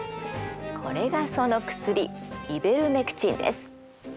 これがその薬イベルメクチンです。